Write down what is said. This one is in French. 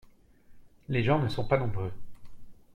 Les gens ne sont pas nombreux.